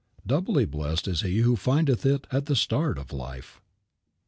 Doubly blessed is he who findeth it at the start of life.